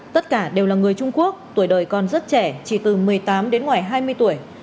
tất cả đều là người trung quốc tuổi đời còn rất trẻ chỉ từ một mươi tám đến ngoài hai mươi tuổi